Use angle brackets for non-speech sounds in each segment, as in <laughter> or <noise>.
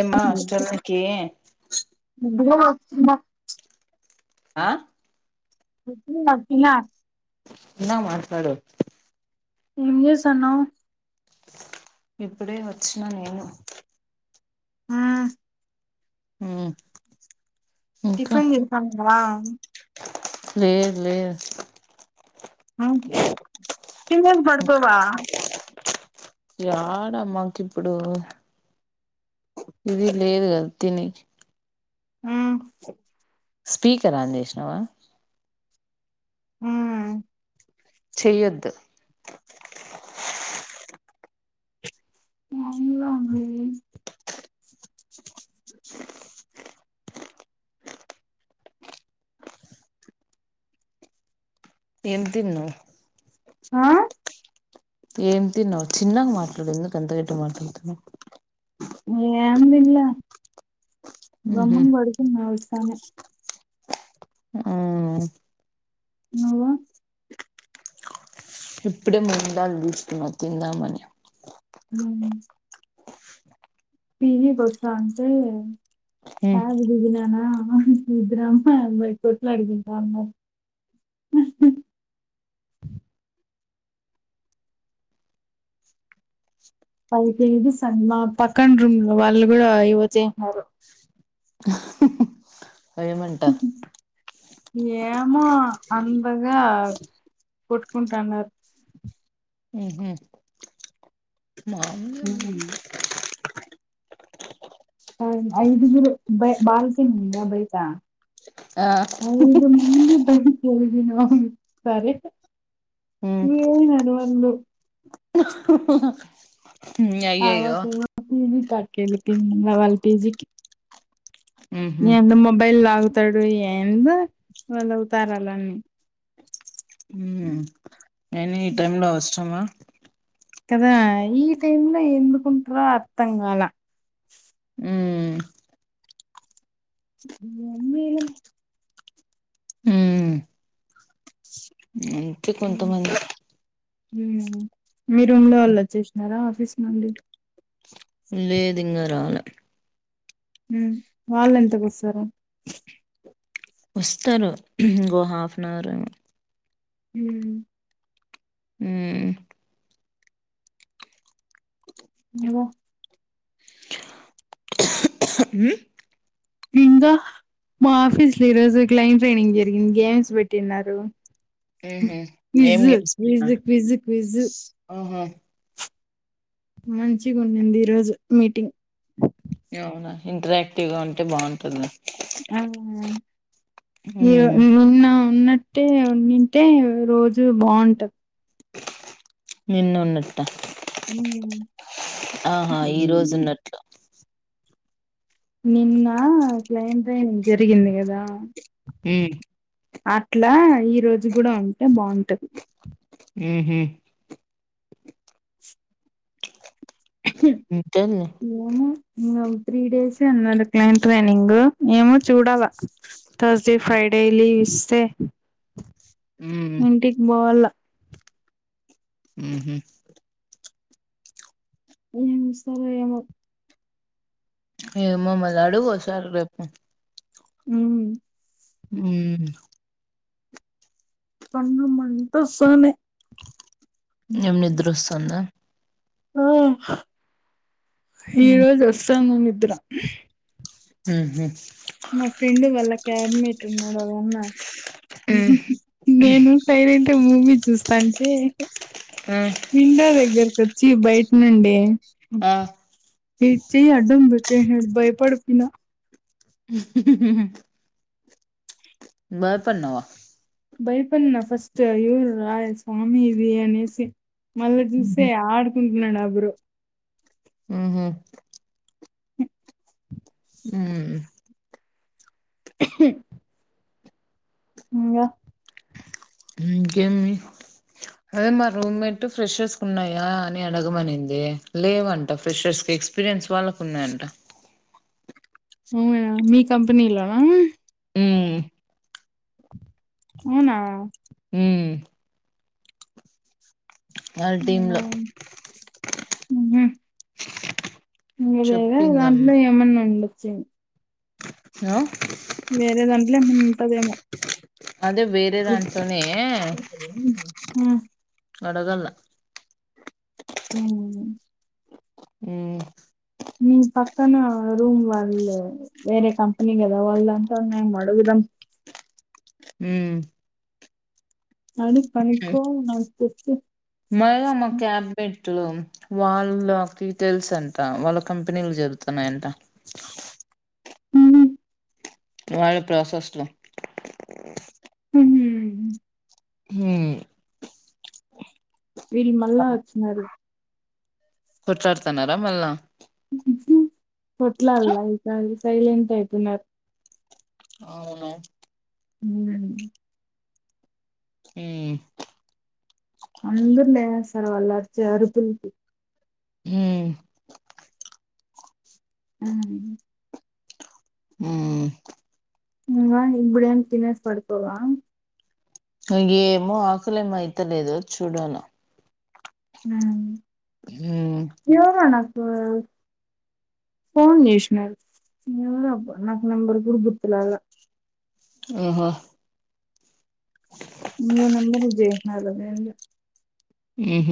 ఏమా అష్టొలొంకి బ్బ ఆ కుట్ను నప్పిన తిన్నామ అస్సలు ఏం జేస్తన్నావ్ ఇప్పుడే వచ్చినా నేను ఆ ఆ టిఫన్ దిని పవా లేదు లేదు తినేసి పడుకోవా యాడ అమ్మాకి ఇప్పుడు ఇది లేదు కదా తినేకి ఆ స్పీకరన్ ఆన్ చేసినావా ఆ చెయద్దు లా అండి ఏం తిన్నావ్ ఆ ఏం తిన్నావ్ చిన్నగా మాట్లాడు ఎందుకు అంతగాట్టిగా మాట్లాడుతునవ్ ఏం తినలే ఉహు గమ్మన్ పడుకున్న వస్తనే ఆ నువ్వు. ఇప్పుడే ముంగ్ధల్ తీసుకున్న తిందామని. హ్మ్ పీజీ కి వస్తాంటే కాదు ననా ఇద్ద రామ్ అది మ కొట్లా అడుదంద అమ్. <inaudible> పై తేజ <unintelligible> పక్కన రూమ్ లో వాళ్ళు కూడా ఏవో చేసినారు అవి ఏమంటా ఏమో అందగా కొట్టుకుంటన్నారు. మార్నింగే ఏమన ఐ ఐదుగురు బ బాల్సంగు ఉందా బయట. ఆ ఐదు మంది బహు తెలిసిన వాళ్ళు సరే ఉమ్ ఏం అయినారు వాళ్ళు ఆ అయ్యయ్యో పాపా ఏమో పిజి కాటికి వెళ్లి తినిందా వాళ్ళ పీజీకి ఉహు ఏందో మొబైల్ లాగుతాడు ఏందో వాళ్ళు అవతారాలు అన్ని హ. నేను ఈ టైం లో వస్తున్న కదా ఈ టైం లో ఎందుకుంటారో అర్థం గాల. ఉమ్ ఏం చేయలేమ్ ఉమ్ అతే కొంత మంది. హ్మ్ మీ రూమ్ లో వాళ్ళు వచ్చేసినారా ఆఫీస్ నుండి లేదు ఇంగ రాలె హ్మ్ వాళ్ళు ఎంతకొస్తారు. వస్తారు ఇంగో హాఫ్ అన్ అవర్. హ్మ్ ఉమ్ నువు హ్మ్ ఇంగా మా ఆఫీస్ లో ఈ రోజు క్లైంట్ ట్రైనింగ్ జరిగింది గేమ్స్ పెట్టిన్నారు. ఆహ. క్విజ్ క్విజ్ క్విజ్ క్విజ్ ఆహా మంచిగా ఉంనింది ఈరోజు మీటింగ్. అవునా ఇంటరాక్టివ్ గా ఉంటే బాగుంటుంది. ఆ ఈ ఉమ్ నిన్న ఉన్న టే ఉనింటే రోజు బాంట నిన్న ఉన్నట్. త ఉమ్. ఆహా ఈ రోజు ఉన్నట్లు. నిన్న క్లయింట్ ట్రైనింగ్ జరిగింది కదా. మ్ అట్లా ఈ రోజు కూడా ఉంటే బాగుంటది ఆ హమ్ ఉంటదిలే ఏమీ నవ్వు త్రీ డేస్ అన్నారు క్లైంట్ ట్రైనింగ్ ఏమో చూడాలా థర్స్డే ఫ్రైడే లీవ్ ఇస్తే ఉమ్ ఇంటికి బోవాల ఉ హు ఏం ఇస్తారో ఏమో ఏమో మరి అడుగు ఒకసారి రేపు హుమ్ ఉమ్ కండ్లు మంటోస్తన్నయ్ ఏమ్ నిద్రొస్తుందా హ ఈరోజు వస్తోంది నిద్ర ఉ హుమ్ మా ఫ్రెండ్ వళ్ల క్యాబ్మేట్ ఉన్నాడు వలన్నా ఉమ్ నేను సైలెంట్గా మూవీ చూస్తాన్టే విండో దగ్గరక్ కొచ్చి బయట నుండి హ ఏయ్ చెయ్ అడ్డంబెట్టిండు బయపడిపోయ్న ఉహు ఉహు భయపడ్నవ బాయ్పన్నా ఫస్ట్ ఎవుర్రా యి స్వామి ఇది అనేసి మళ్ళా చూసే ఆడుకుంటున్నాడు ఆ బ్రో ఉహు ఉమ్ ఇంగ ఇంకేంది అదే మా రూమ్ మేట్ ఫ్రెషర్స్ కున్నాయా అని అడగమనిన్ది లేవంట ఫ్రెష ఎక్స్పీరియన్స్ వాళ్ళకున్నాయంట అవునా మీ కంపెనీలోనా మ్మ్ ఔనా మ్మ్ వాళ్ళ ఉ టీమ్ లో హుమ్ ఇదేగా చెప్పిందమ్మ దాంట్లో ఏమన్నా ఉండొచ్చు అ వేరే దాంట్లో ఏమో ఉంటదేమో అదే వేరేదంట్లోనే అడగలా ఉమ్ ఉమ్ నీ పక్కన రూమ్ వాళ్లే వేరే కంపెనీ గదా వాల్దంట్లో ఉన్నయేమో అడుగుదాం అడిగు కనుకో నాకు చెప్పు మాది కాదు మా క్యాబ్ మెట్ ట్లో వాళ్ళకి తెల్సంట వాళ్ళ కంపెనీల జరుగుతున్నాయంట ఉ హుమ్ వాళ్ల ప్రాసెస్ లో హుమ్ వీళ్ళు మళ్ళావొచ్చినరు కొట్లాడ్తున్నారా మళ్ళా ఉహు ఉహుమ్ కొట్లాల్లా ఇకా సైలెంట్ అయ్పొయ్న్నారు ఔనా ఉమ్ హుమ్ అందరూ లేస్రూ వాళ్లు అరిచే అరుపుల్కి హుమ్ ఉమ్ ఉమ్ ఇన్గా ఇప్పుడేం తినేస్ పడ్కోవా ఏమో ఆకలేమైయితా లేదు చూడలా హ హ ఆ ఫోన్ చేసినారు ఎవరాబ్బ నాకు నెంబర్ కూడా గుర్తులాల ఆఓహో మూ నబరు విజయ నాలద అం ఆహ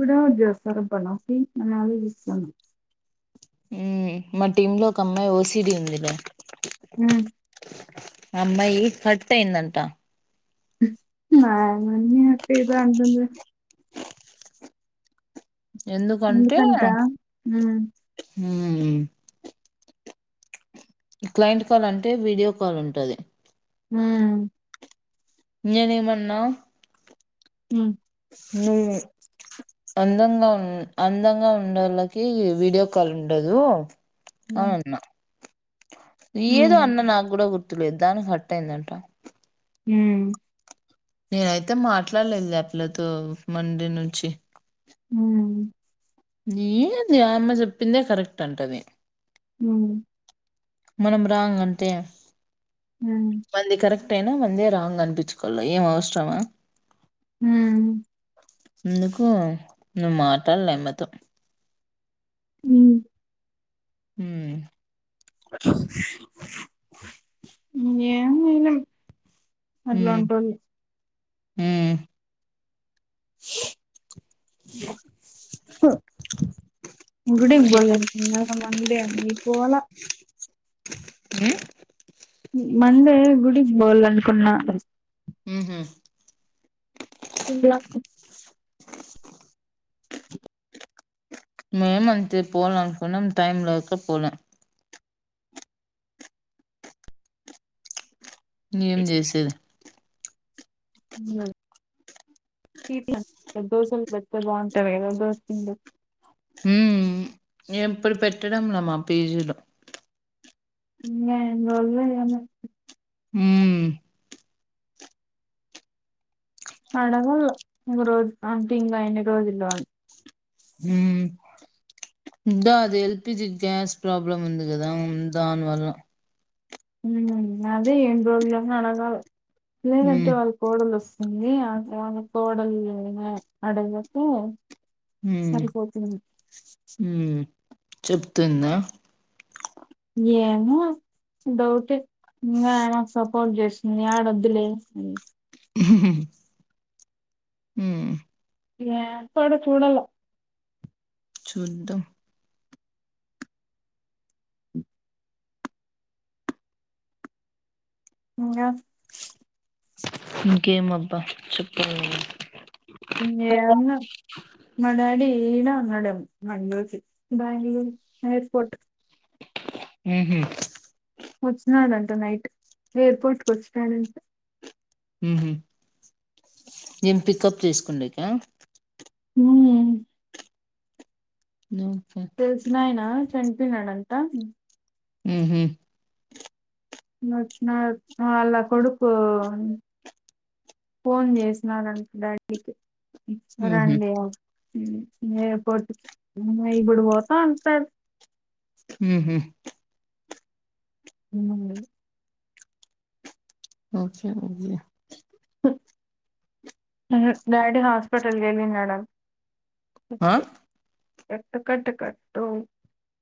ఇడ ఉద్దసరప నక అది వి ఉ మా టీమ్ లో ఒక అమ్మాయి ఓసిడి ఉందిరా హ అమ్మాయి కట్ట అయిందంటా మా మన్న అక్క ఇద కంటంద ఎందుకంటే ఎందుకంట ఉమ్ క్లయింట్ కాల్ అంటే వీడియో కాల్ ఉంటుది హ ఇంనేమన్నా హ న అందంగా ఉ అందంగా ఉండళ్ళకి వీడియో కాల్ ఉండదు అవు అన్నా ఏదో అన్న నాకు కూడా గుర్తులేదు దానికి హర్ట్ అయిందంట హ నేనైతే మాట్లాడలేదు ్యాపలతో మండే నుంచి హ నీది అమ్మ చెప్పిందే కరెక్ట్ అంటది ఉ మనమ రాంగన్ంట మంది క అేనా వందే రాంగ్ అనిపించుకోలే ఏం అవసరమా హ ఎందుకు నువ్వు మాటలు నెమ్మత హ హ ఏ అన అట్లాంట హ హ ఇడ పోలే మండే అ ఈ పోాల అ మందే గుడికి బవాల అనుకున్నా హ తిన్న అ మేమ్ అంతే పోల్ అనుకున్నం టైమ్ లేక పోలే ఏం చేసేది ఉ పి ప్ల దోసలు పెద్ద బావుంటేనే కద దోస పిండి ఉమ్మ్ ఎప్పుడు పెట్టడంలే మా పిజీలో ఇంగ ఎన్ని రోజులో ఏమో ఉమ్మ్ అడగల్ల ఒక రోజు ఆంటీ ఇంగ ఎన్ని రోజులు ఇల అని ఉమ్ ఇంకా అది ఎల్పిజి గ్యాస్ ప్రాబ్లం ఉంది కదా దానివల్ల ఉమ్ అదే ఏన్ని రోజులని అడగాలి లేదంటే మ్మ్ వాళ్ళ కోడలు వస్ స్తుంది ఆ వాళ్ల కోడల్ని అయిన అడగతే ఉమ్ సరిపోతుంది ఉమ్ చెప్తుంద ఏమో డౌటే ఇంగ ఎమ సపోర్ట్ జేస్ ఇంగేఆడోద్దులే మ్ ఉమ్ ఏ ప్పుడు చూడల చూద్దాం ఇంగ ఇంకేం అబ్బా చేపాలి నువ్వే ఏమ్నా మా డాడీ ఈనా నడుం మంగళూరు కి బెంగళూరు ఎయిర్పోర్ట్ మ్ హు వచ్చినాడంట నైట్ ఎయిర్పోర్ట్ కి వచ్చినాడంట ఉమ్ హు ఏం పికప్ చేస్కుండిక ఉమ్మ్మ్ ఓకే తెలిసినాయనా చనిపోయినడంట మ్ హు వచ్చినాడ్ ఆళ్ల కొడుకు ఫోన్ చేసినారంట డాడీకి మ్మ్ రండి అని ఉమ్ ఎయిర్పోర్ట్ కి ఇప్పుడు పోతా అంటాడు. మ్ హు అవునండి ఓకే అండి అహా డాడీ హాస్పిటల్కీ వెళ్ళినాడ ఆ కట్టు కట్టు కట్టు